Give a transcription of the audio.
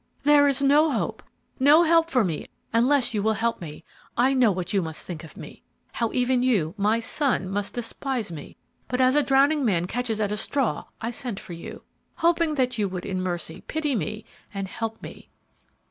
There is no hope, no help for me unless you will help me. I know what you must think of me, how even you, my son, must despise me, but as a drowning man catches at a straw, I sent for you, hoping that you would in mercy pity me and help me."